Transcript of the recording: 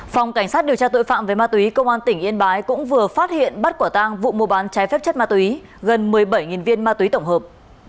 phòng cảnh sát điều tra tội phạm về ma túy công an tỉnh yên bái cũng vừa phát hiện bắt quả tang vụ mua bán trái phép chất ma túy gần một mươi bảy viên ma túy tổng hợp